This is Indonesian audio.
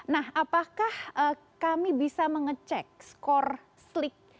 nah apakah kami bisa mengecek skor slik